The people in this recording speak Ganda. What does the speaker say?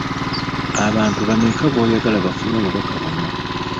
Abantu bameka b'oyagala bafune obubaka buno?